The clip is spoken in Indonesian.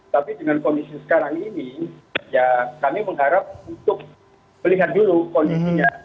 tapi dengan kondisi sekarang ini ya kami mengharap untuk melihat dulu kondisinya